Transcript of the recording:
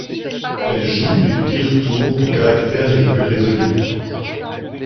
Elle joue les pires tours aux caractères les plus résolus.